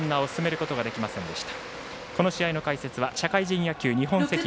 この試合の解説は社会人野球日本石油。